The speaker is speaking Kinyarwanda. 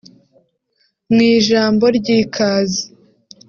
Mu ijambo ry’ikaze